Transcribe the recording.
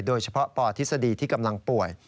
โดยเฉพาะปทฤษฎีที่กำลังป่วย